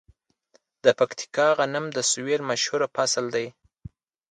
د پکتیکا غنم د سویل مشهور فصل دی.